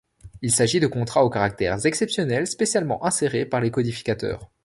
Il s'agit de contrat aux caractères exceptionnels spécialement inséré par les Codificateurs.